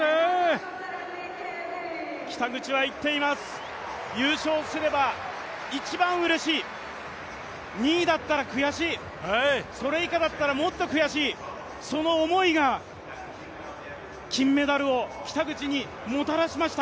北口は言っています、優勝すれば一番うれしい、２位だったら悔しい、それ以下だったらもっと悔しい、その思いが金メダルを北口にもたらしました。